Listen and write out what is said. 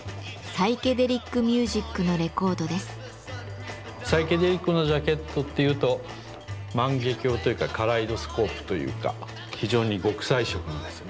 サイケデリックなジャケットっていうと万華鏡というかカレイドスコープというか非常に極彩色のですね